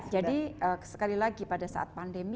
jadi sekali lagi pada saat pandemi